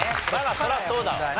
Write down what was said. そりゃそうだわな。